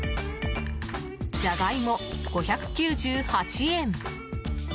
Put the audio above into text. ジャガイモ、５９８円。